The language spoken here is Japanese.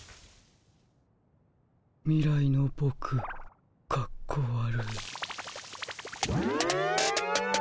未来のボクかっこ悪い。